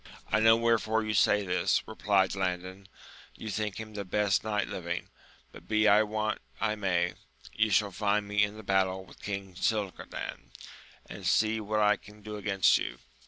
I know wherefore you say thus, replied Landin ; you think him the best knight living, but, be I what I may, you shall find me in the battle with King Cildadan, and see what I can do against you.